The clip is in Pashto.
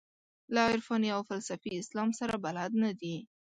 له عرفاني او فلسفي اسلام سره بلد نه دي.